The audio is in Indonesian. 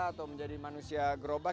atau menjadi manusia gerobak